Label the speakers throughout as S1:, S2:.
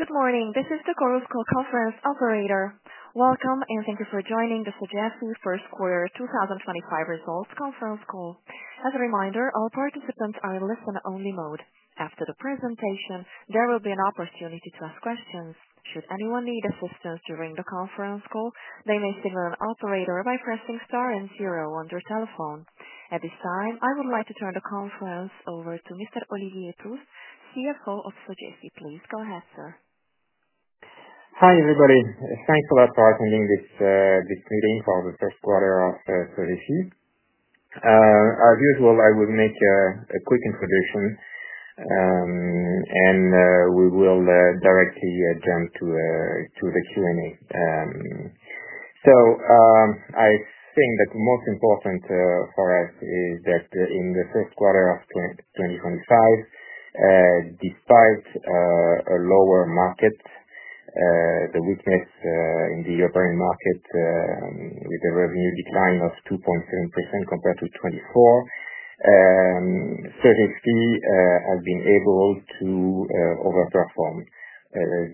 S1: Good morning. This is the Chorus Call conference operator. Welcome, and thank you for joining the Sogefi First Quarter 2025 Results Conference Call. As a reminder, all participants are in listen-only mode. After the presentation, there will be an opportunity to ask questions. Should anyone need assistance during the conference call, they may signal an operator by pressing star and zero on their telephone. At this time, I would like to turn the conference over to Mr. Olivier Proust, CFO of Sogefi. Please go ahead, sir.
S2: Hi, everybody. Thanks a lot for attending this meeting for the first quarter of Sogefi. As usual, I will make a quick introduction, and we will directly jump to the Q&A. I think that the most important for us is that in the first quarter of 2025, despite a lower market, the weakness in the European market with a revenue decline of 2.7% compared to 2024, Sogefi has been able to overperform.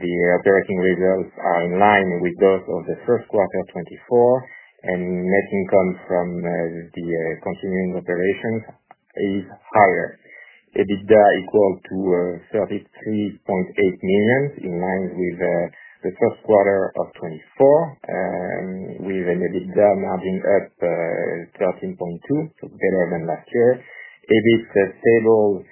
S2: The operating results are in line with those of the first quarter 2024, and net income from the continuing operations is higher. EBITDA equal to 33.8 million, in line with the first quarter of 2024, with an EBITDA margin up 13.2%, so better than last year. EBIT stable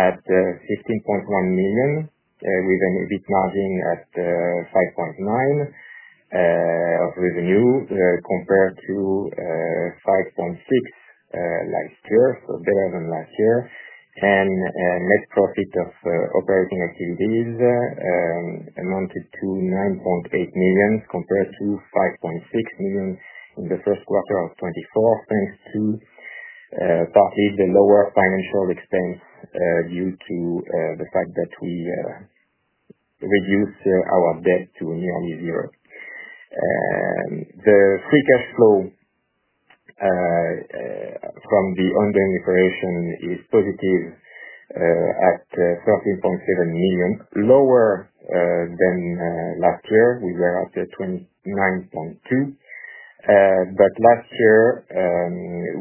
S2: at 15.1 million, with an EBIT margin at 5.9% of revenue compared to 5.6% last year, so better than last year. Net profit of operating activities amounted to 9.8 million compared to 5.6 million in the first quarter of 2024, thanks to partly the lower financial expense due to the fact that we reduced our debt to nearly zero. The free cash flow from the ongoing operation is positive at 13.7 million, lower than last year. We were up to 29.2 million. Last year,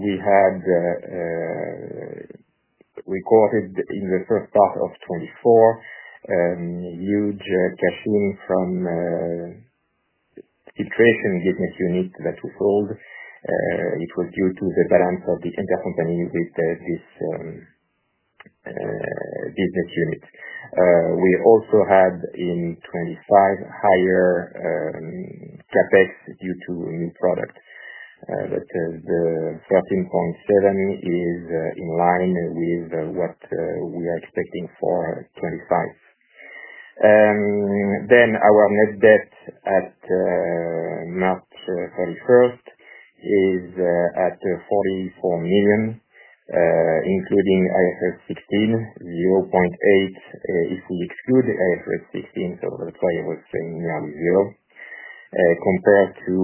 S2: we had recorded in the first part of 2024 huge cash in from filtration business unit that we sold. It was due to the balance of the intercompany with this business unit. We also had in 2025 higher CapEx due to new product. The 13.7 million is in line with what we are expecting for 2025. Our net debt at March 31st, 2025 is at 44 million, including IFRS 16, 0.8 million if we exclude IFRS 16, so that's why I was saying nearly zero, compared to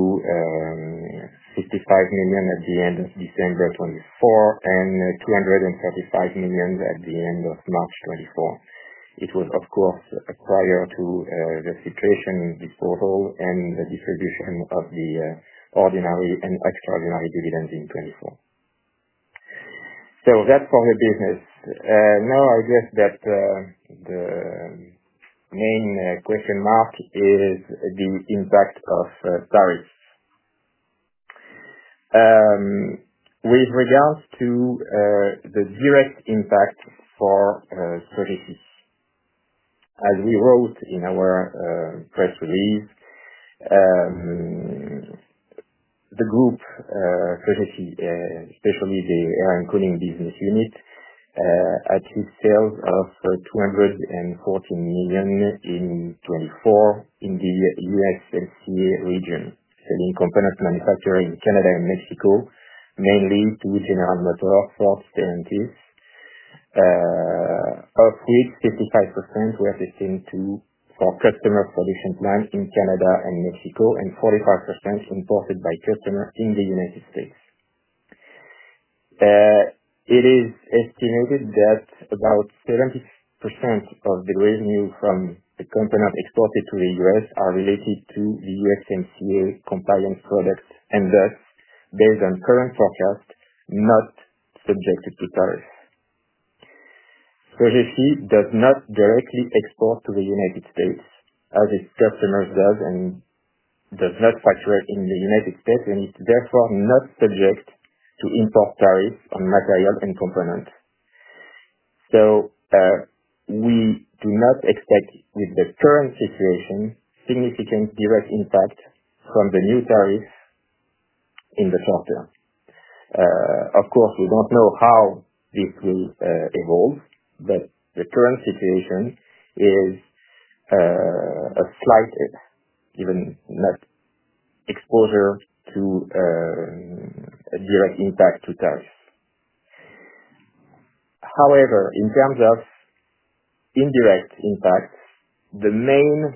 S2: 55 million at the end of December 2024 and 235 million at the end of March 2024. It was, of course, prior to the filtration disposal and the distribution of the ordinary and extraordinary dividends in 2024. That's for the business. I guess that the main question mark is the impact of tariffs. With regards to the direct impact for Sogefi, as we wrote in our press release, the group, Sogefi, especially the Air and Cooling business unit, achieved sales of 214 million in 2024 in the USMCA region, selling components manufactured in Canada and Mexico, mainly to General Motors, Ford, and Stellantis, of which 55% were destined for customer production plants in Canada and Mexico, and 45% imported by customers in the United States. It is estimated that about 70% of the revenue from the components exported to the U.S. are related to the USMCA compliance products, and thus, based on current forecasts, not subjected to tariffs. Sogefi does not directly export to the United States, as its customers do, and does not factor in the United States, and is therefore not subject to import tariffs on materials and components. We do not expect, with the current situation, significant direct impact from the new tariffs in the short term. Of course, we do not know how this will evolve, but the current situation is a slight, even net exposure to a direct impact to tariffs. However, in terms of indirect impact, the main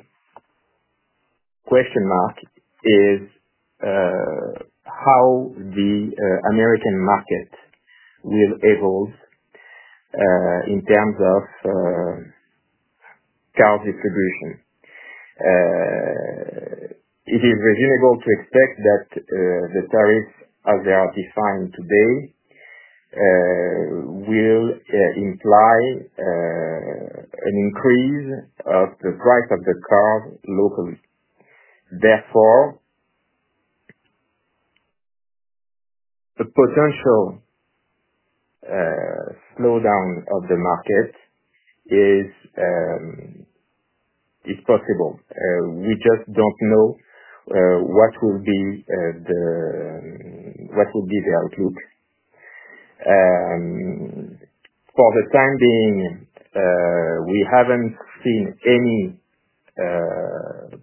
S2: question mark is how the American market will evolve in terms of car distribution. It is reasonable to expect that the tariffs, as they are defined today, will imply an increase of the price of the car locally. Therefore, a potential slowdown of the market is possible. We just do not know what will be the outlook. For the time being, we have not seen any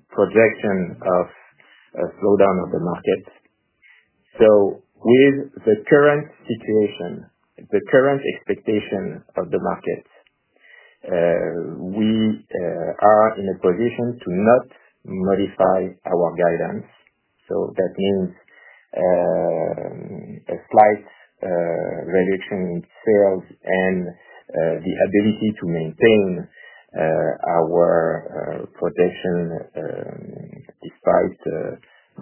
S2: projection of a slowdown of the market. With the current situation, the current expectation of the market, we are in a position to not modify our guidance. That means a slight reduction in sales and the ability to maintain our protection despite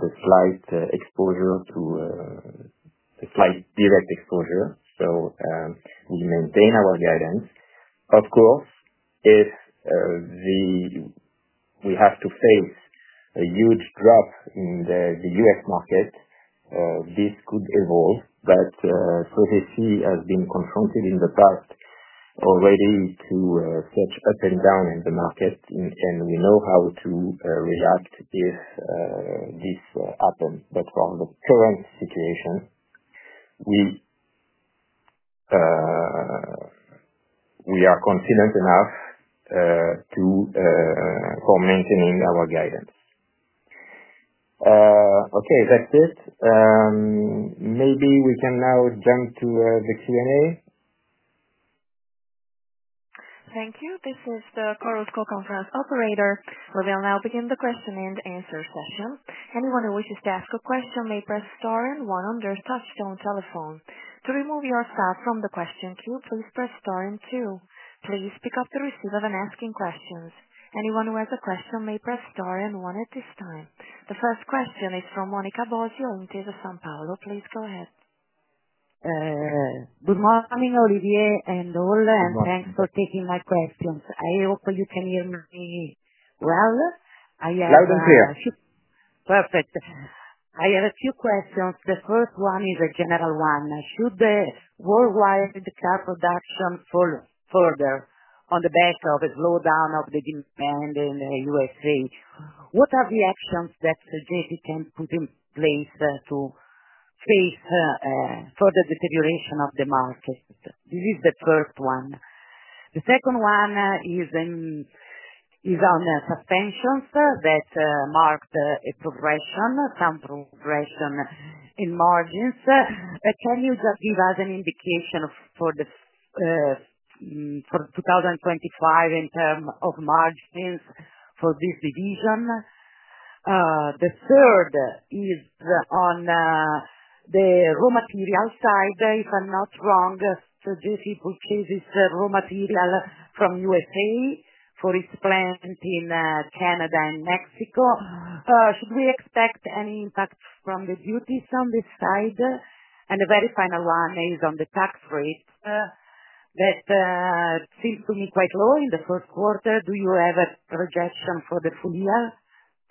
S2: the slight exposure to the slight direct exposure. We maintain our guidance. Of course, if we have to face a huge drop in the U.S. market, this could evolve. Sogefi has been confronted in the past already to such up and down in the market, and we know how to react if this happens. For the current situation, we are confident enough for maintaining our guidance. Okay, that's it. Maybe we can now jump to the Q&A?
S1: Thank you. This is the conference operator. We will now begin the question and answer session. Anyone who wishes to ask a question may press star and one on their touch-tone telephone. To remove yourself from the question queue, please press star and two. Please pick up the receiver when asking questions. Anyone who has a question may press star and one at this time. The first question is from Monica Bosio Intesa Sanpaolo. Please go ahead.
S3: Good morning, Olivier and all, and thanks for taking my questions. I hope you can hear me well. I have a.
S2: Loud and clear.
S3: Perfect. I have a few questions. The first one is a general one. Should the worldwide car production fall further on the back of a slowdown of the demand in the U.S., what are the actions that Sogefi can put in place to face further deterioration of the market? This is the first one. The second one is on the suspensions that marked a progression, some progression in margins. Can you just give us an indication for 2025 in terms of margins for this division? The third is on the raw material side. If I'm not wrong, Sogefi purchases raw material from the U.S. for its plant in Canada and Mexico. Should we expect any impact from the duties on this side? The very final one is on the tax rate that seems to be quite low in the first quarter. Do you have a projection for the full year?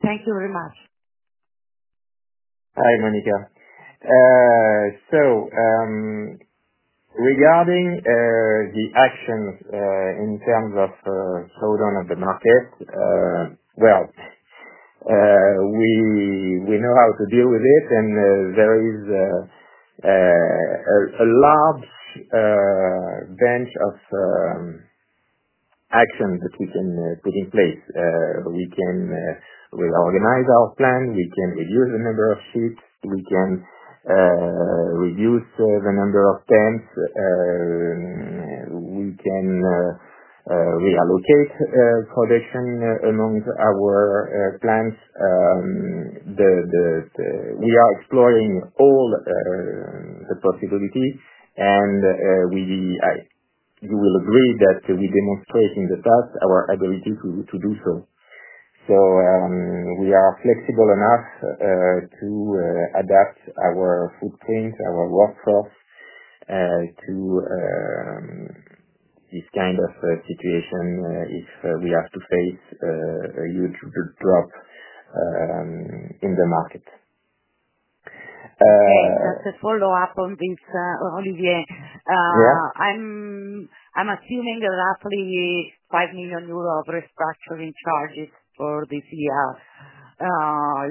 S3: Thank you very much.
S2: Hi, Monica. Regarding the actions in terms of slowdown of the market, we know how to deal with it, and there is a large bench of actions that we can put in place. We can reorganize our plant. We can reduce the number of shifts. We can reduce the number of temps. We can reallocate production among our plants. We are exploring all the possibilities, and you will agree that we demonstrate in the past our ability to do so. We are flexible enough to adapt our footprint, our workforce, to this kind of situation if we have to face a huge drop in the market. Yes, just a follow-up on this, Olivier. I'm assuming roughly 5 million euro of restructuring charges for this year.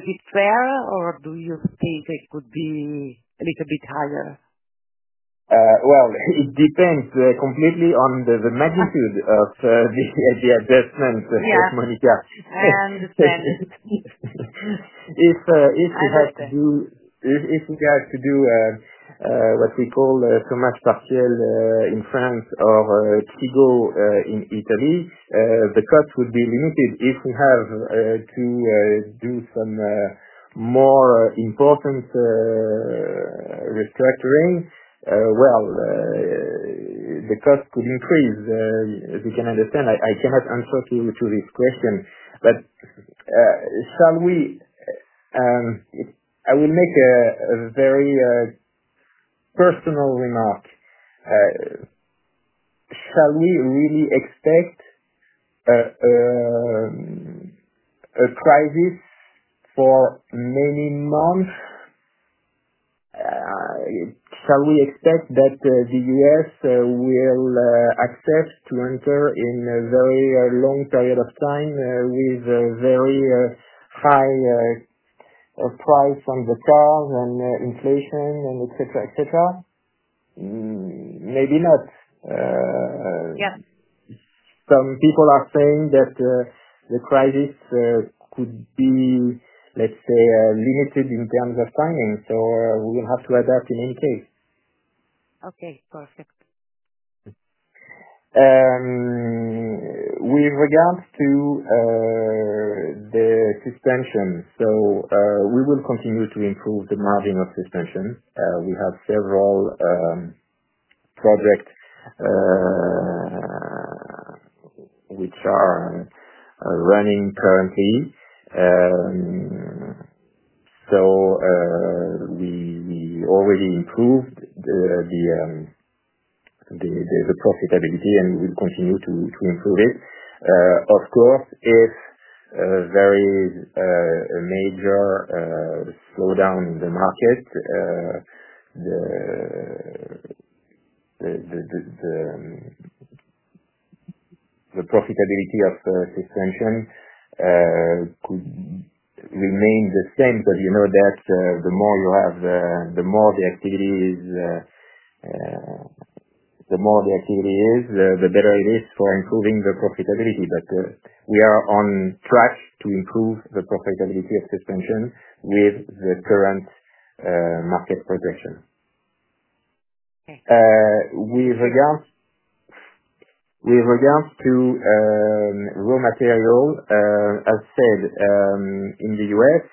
S2: Is it fair, or do you think it could be a little bit higher?
S4: It depends completely on the magnitude of the adjustment, Monica. Yes.
S2: If we had to do what we call chômage partiel in France or CIGO in Italy, the cost would be limited. If we have to do some more important restructuring, the cost could increase. As you can understand, I cannot answer to this question. I will make a very personal remark. Shall we really expect a crisis for many months? Shall we expect that the U.S. will accept to enter in a very long period of time with very high price on the cars and inflation and etc., etc.? Maybe not. Yes. Some people are saying that the crisis could be, let's say, limited in terms of timing, so we will have to adapt in any case. Okay. Perfect. With regards to the Suspension, we will continue to improve the margin of Suspension. We have several projects which are running currently. We already improved the profitability, and we will continue to improve it. Of course, if there is a major slowdown in the market, the profitability of Suspension could remain the same. You know that the more you have, the more the activity is, the more the activity is, the better it is for improving the profitability. We are on track to improve the profitability of Suspension with the current market projection. Okay. With regards to raw material, as said in the U.S.,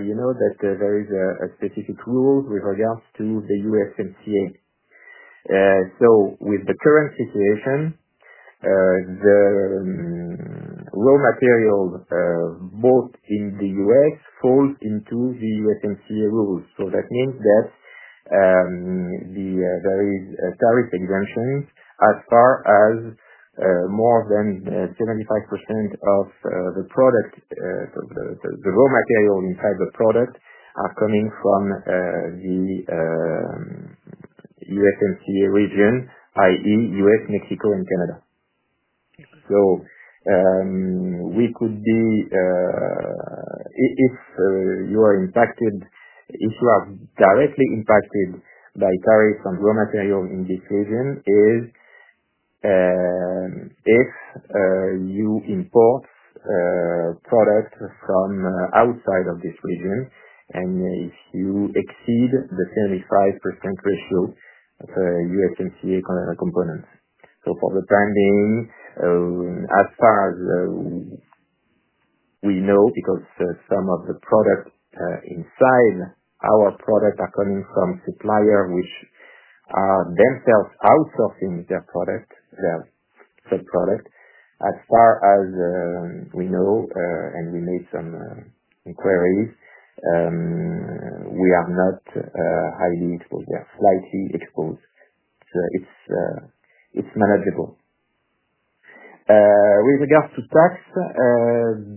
S2: you know that there is a specific rule with regards to the USMCA. With the current situation, the raw material both in the U.S. falls into the USMCA rules. That means that there is a tariff exemption as far as more than 75% of the product, the raw material inside the product, are coming from the USMCA region, i.e., U.S., Mexico, and Canada. We could be, if you are impacted, if you are directly impacted by tariffs on raw material in this region, is if you import products from outside of this region, and if you exceed the 75% ratio of USMCA components. For the time being, as far as we know, because some of the products inside our product are coming from suppliers which are themselves outsourcing their product, their subproduct, as far as we know, and we made some inquiries, we are not highly exposed. We are slightly exposed. So it's manageable. With regards to tax,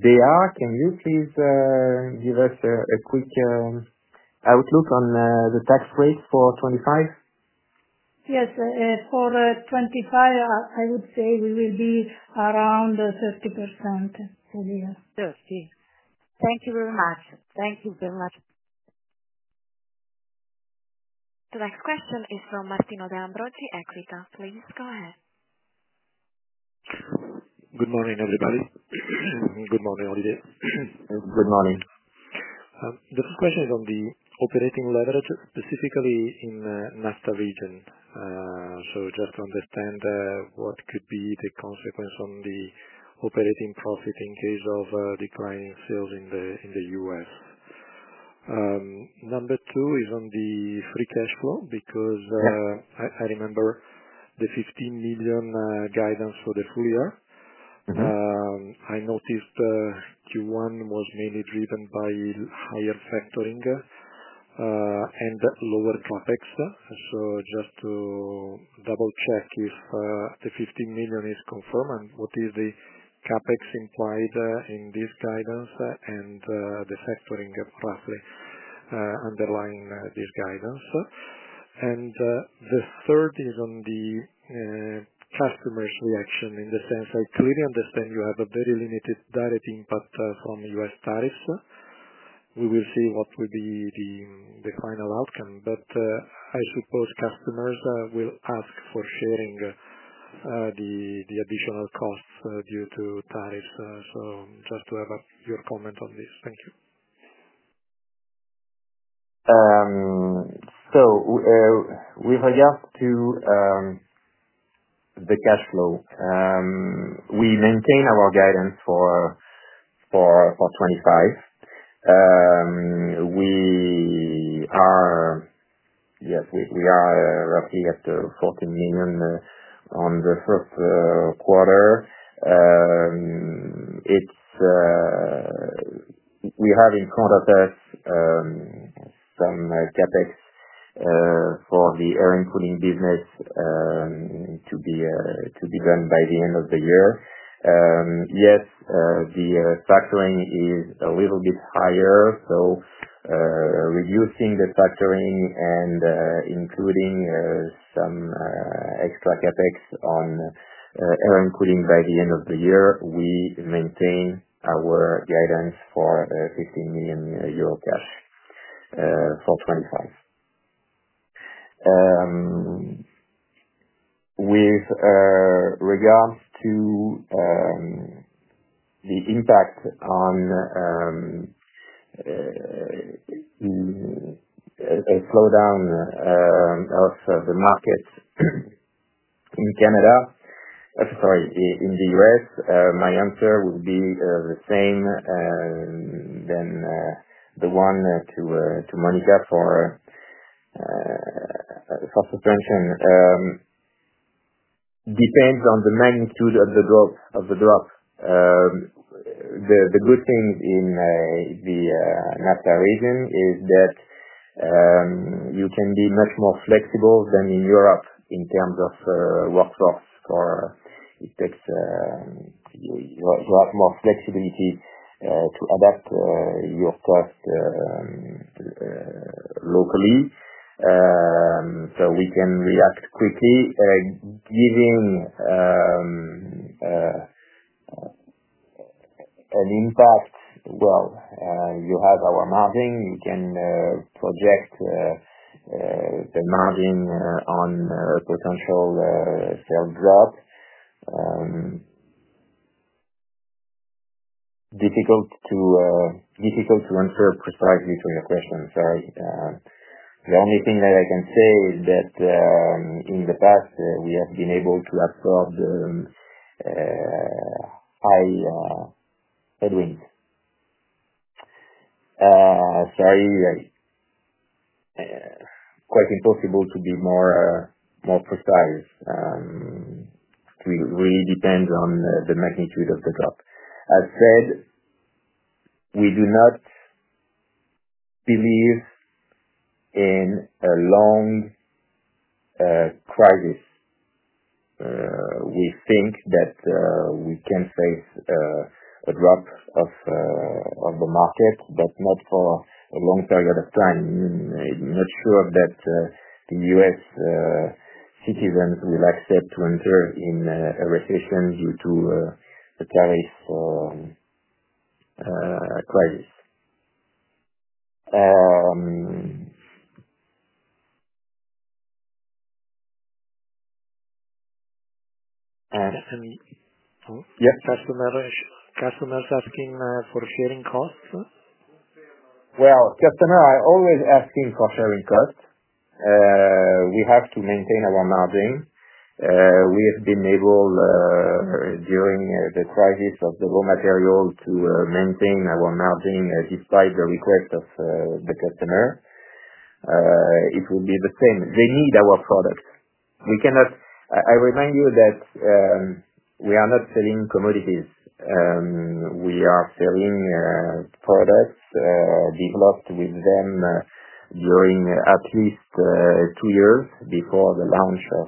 S2: they are. Can you please give us a quick outlook on the tax rate for 2025?
S3: Yes. For 2025, I would say we will be around 30%. Olivier. Thank you very much. Thank you very much.
S1: The next question is from Martino De Ambroggi, Equita. Please go ahead.
S5: Good morning, everybody. Good morning, Olivier.
S2: Good morning.
S5: The first question is on the operating leverage, specifically in the NAFTA region. Just to understand what could be the consequence on the operating profit in case of declining sales in the U.S. Number two is on the free cash flow because I remember the 15 million guidance for the full year. I noticed Q1 was mainly driven by higher factoring and lower CapEx. Just to double-check if the 15 million is confirmed and what is the CapEx implied in this guidance and the factoring roughly underlying this guidance. The third is on the customer's reaction in the sense I clearly understand you have a very limited direct impact from U.S. tariffs. We will see what will be the final outcome. I suppose customers will ask for sharing the additional costs due to tariffs. Just to have your comment on this. Thank you.
S2: With regards to the cash flow, we maintain our guidance for 2025. Yes, we are roughly at 14 million on the first quarter. We have in front of us some capex for the Air and Cooling business to be done by the end of the year. Yes, the factoring is a little bit higher. Reducing the factoring and including some extra capex on Air and Cooling by the end of the year, we maintain our guidance for 15 million euro cash for 2025. With regards to the impact on a slowdown of the market in Canada, sorry, in the U.S., my answer will be the same as the one to Monica for Suspension. Depends on the magnitude of the drop. The good thing in the USMCA region is that you can be much more flexible than in Europe in terms of workforce. You have more flexibility to adapt your cost locally. We can react quickly, giving an impact. You have our margin. You can project the margin on potential sales drop. Difficult to answer precisely to your question. Sorry. The only thing that I can say is that in the past, we have been able to absorb the high headwinds. Sorry. Quite impossible to be more precise. It really depends on the magnitude of the drop. As said, we do not believe in a long crisis. We think that we can face a drop of the market, but not for a long period of time. I'm not sure that the U.S. citizens will accept to enter in a recession due to the tariff crisis.
S5: Customers asking for sharing costs?
S2: Customers are always asking for sharing costs. We have to maintain our margin. We have been able, during the crisis of the raw material, to maintain our margin despite the request of the customer. It will be the same. They need our products. I remind you that we are not selling commodities. We are selling products developed with them during at least two years before the launch of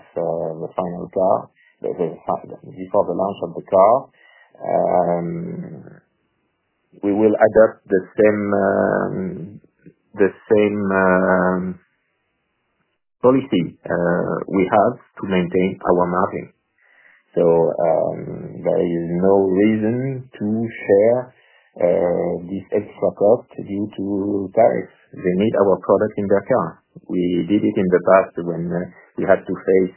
S2: the final car. Before the launch of the car, we will adopt the same policy we have to maintain our margin. There is no reason to share this extra cost due to tariffs. They need our product in their car. We did it in the past when we had to face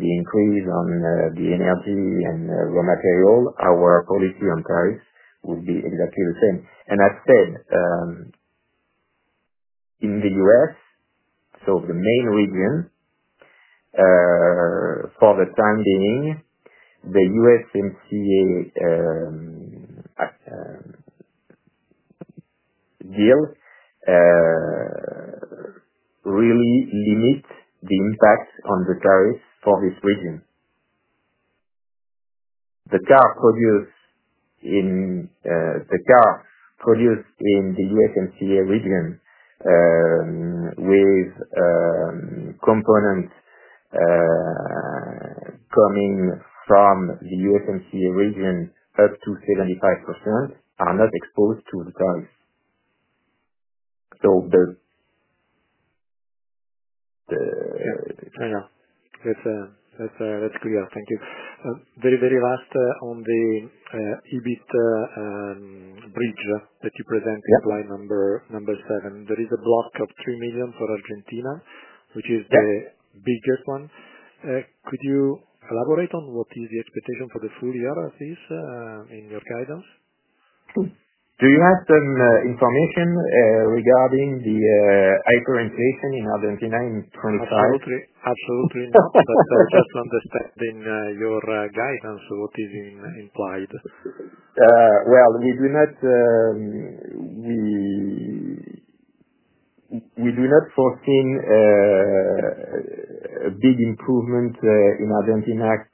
S2: the increase on the energy and raw material. Our policy on tariffs will be exactly the same. As said, in the U.S., the main region, for the time being, the USMCA deal really limits the impact on the tariffs for this region. The cars produced in the USMCA region, with components coming from the USMCA region up to 75%, are not exposed to the tariffs.
S5: Yeah. That's clear. Thank you. Very, very last on the EBIT bridge that you presented by number seven. There is a block of three million for Argentina, which is the biggest one. Could you elaborate on what is the expectation for the full year at least in your guidance?
S2: Do you have some information regarding the hyperinflation in Argentina in 2025?
S5: Absolutely not. Just understanding your guidance, what is implied.
S2: We do not foresee a big improvement in Argentina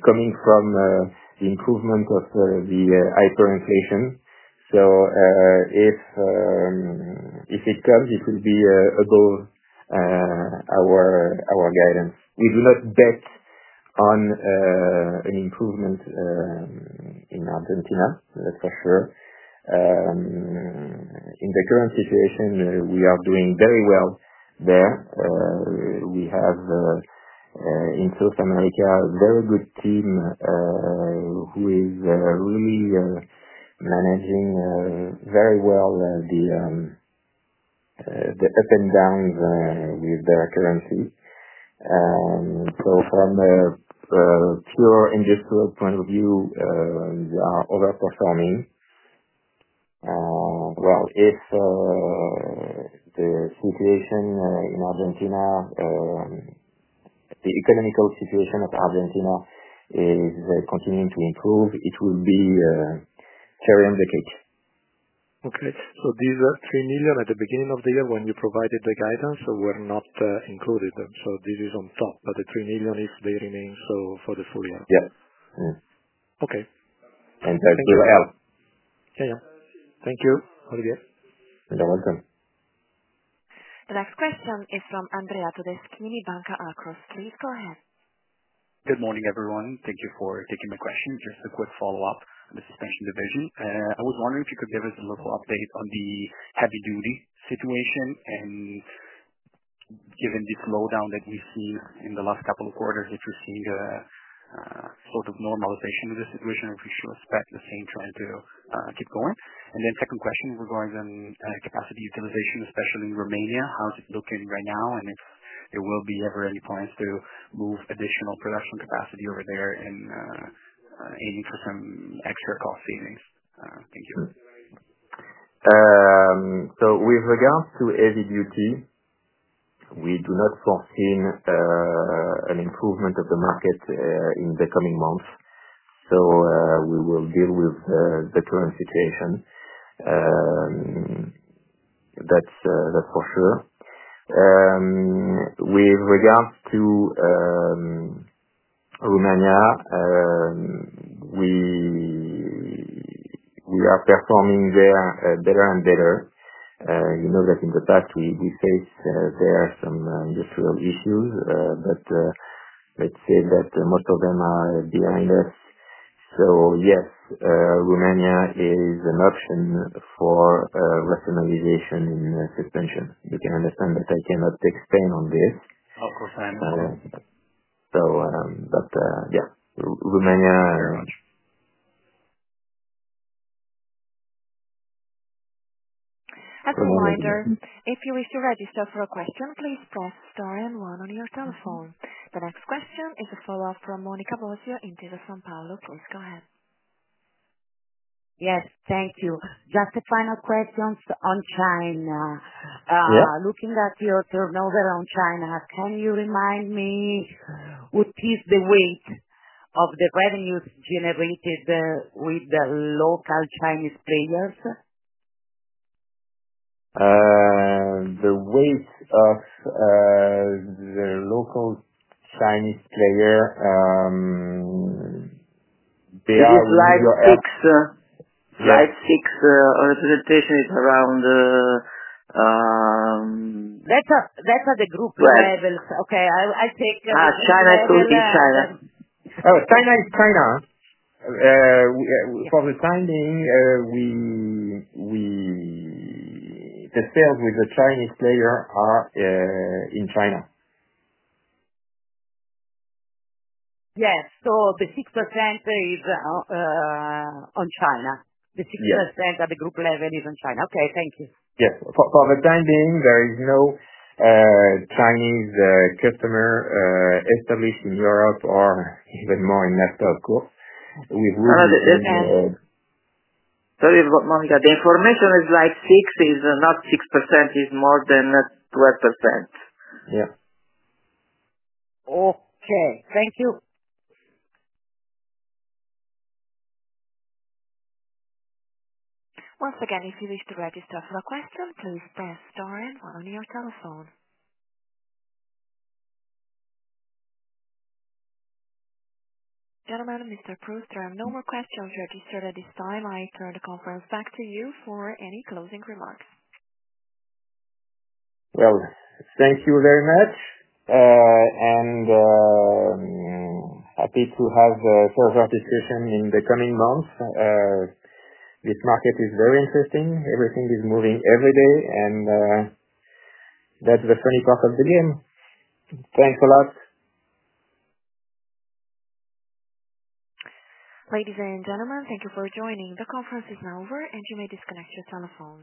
S2: coming from the improvement of the hyperinflation. If it comes, it will be above our guidance. We do not bet on an improvement in Argentina, that's for sure. In the current situation, we are doing very well there. We have, in South America, a very good team who is really managing very well the ups and downs with their currency. From a pure industrial point of view, they are overperforming. If the situation in Argentina, the economical situation of Argentina is continuing to improve, it will be cherry on the cake.
S5: Okay. These three million at the beginning of the year when you provided the guidance were not included. This is on top. The three million, if they remain so for the full year.
S2: Yep.
S5: Okay.
S2: That is the way out. Yeah, yeah. Thank you, Olivier. You're welcome.
S1: The next question is from Andrea Todeschini Banca Akros. Please go ahead.
S6: Good morning, everyone. Thank you for taking my question. Just a quick follow-up on the Suspension division. I was wondering if you could give us a little update on the Heavy Duty situation. Given this slowdown that we've seen in the last couple of quarters, if you're seeing a sort of normalization of the situation, if you should expect the same trend to keep going. Second question regarding capacity utilization, especially in Romania, how's it looking right now? If there will be ever any plans to move additional production capacity over there and aiming for some extra cost savings. Thank you.
S2: With regards to heavy duty, we do not foresee an improvement of the market in the coming months. We will deal with the current situation. That is for sure. With regards to Romania, we are performing there better and better. You know that in the past, we faced there some industrial issues, but let's say that most of them are behind us. Yes, Romania is an option for rationalization in suspension. You can understand that I cannot explain on this.
S6: Of course, I understand.
S2: Yeah, Romania.
S6: Very much.
S1: As a reminder, if you wish to register for a question, please press star and one on your telephone. The next question is a follow-up from Monica Bosio Intesa, SanPaolo. Please go ahead.
S3: Yes. Thank you. Just a final question on China. Looking at your turnover on China, can you remind me what is the weight of the revenues generated with the local Chinese players?
S2: The weight of the local Chinese player, they are in the.
S3: Slide six? Slide six representation is around. That's at the group level. Okay. I take it.
S2: China is China. For the timing, the sales with the Chinese players are in China.
S3: Yes. The 6% is on China. The 6% at the group level is on China. Okay. Thank you.
S2: Yes. For the time being, there is no Chinese customer established in Europe or even more in NAFTA, of course. We've really. Sorry, Monica. The information is in Slide six is not 6%, is more than 12%. Yeah.
S3: Okay. Thank you.
S1: Once again, if you wish to register for a question, please press star and one on your telephone. Gentlemen, Mr. Proust, there are no more questions registered at this time. I turn the conference back to you for any closing remarks.
S2: Thank you very much. Happy to have further discussion in the coming months. This market is very interesting. Everything is moving every day. That's the funny part of the game. Thanks a lot.
S1: Ladies and gentlemen, thank you for joining. The conference is now over, and you may disconnect your telephone.